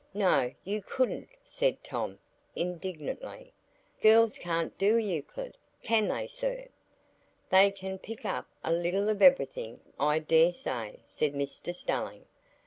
"No, you couldn't," said Tom, indignantly. "Girls can't do Euclid; can they, sir?" "They can pick up a little of everything, I dare say," said Mr Stelling.